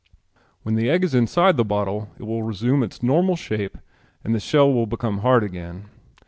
When the egg is inside the bottle it will resume its normal shape and the shell will become hard again.